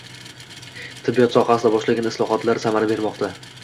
Tibbiyot sohasida boshlangan islohotlar samara bermoqdang